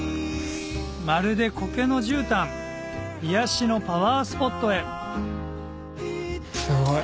まるで苔のじゅうたん癒やしのパワースポットへすごい。